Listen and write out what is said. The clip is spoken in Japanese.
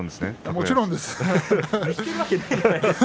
もちろんです。